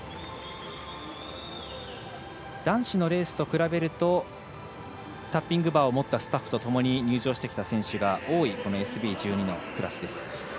男子のレースと比べるとタッピングバーを持ったスタッフとともに入場してきた選手が多いＳＢ１２のクラス。